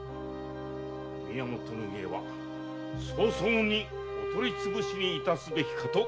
宮本の家は早々にお取り潰しにいたすべきかと心得ます。